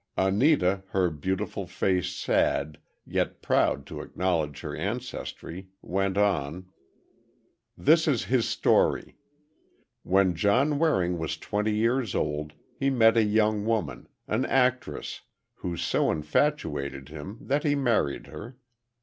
Anita, her beautiful face sad, yet proud to acknowledge her ancestry, went on: "This is his story. When John Waring was twenty years old, he met a young woman—an actress—who so infatuated him that he married her.